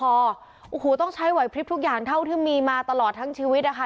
โอ้โหต้องใช้ไหวพลิบทุกอย่างเท่าที่มีมาตลอดทั้งชีวิตนะคะ